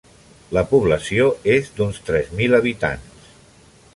La població és d'uns tres mil habitants.